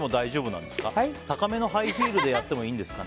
高めのハイヒールでやってもいいんですか？